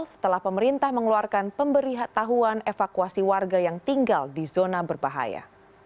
setelah pemerintah mengeluarkan pemberitahuan evakuasi warga yang tinggal di zona berbahaya